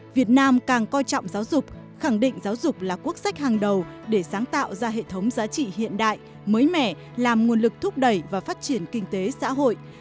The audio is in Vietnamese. việt nam càng coi trọng giáo dục khẳng định giáo dục là quốc sách hàng đầu để sáng tạo ra hệ thống giá trị hiện đại mới mẻ làm nguồn lực thúc đẩy và phát triển kinh tế xã hội